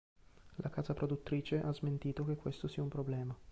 La casa produttrice ha smentito che questo sia un problema.